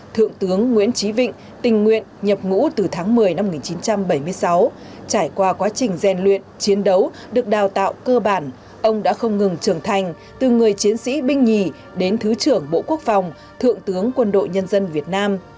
thượng tướng nguyễn trí vịnh tình nguyện nhập ngũ từ tháng một mươi năm một nghìn chín trăm bảy mươi sáu trải qua quá trình gian luyện chiến đấu được đào tạo cơ bản ông đã không ngừng trưởng thành từ người chiến sĩ binh nhì đến thứ trưởng bộ quốc phòng thượng tướng quân đội nhân dân việt nam